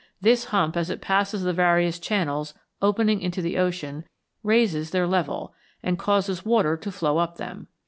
This hump as it passes the various channels opening into the ocean raises their level, and causes water to flow up them.